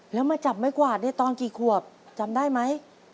แล้วมาจับไม้กวาดได้ตอนกี่ขวบจำได้ไหม